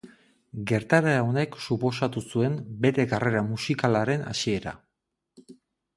Gertaera honek suposatu zuen bere karrera musikalaren hasiera.